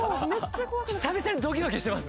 久々にドキドキしてます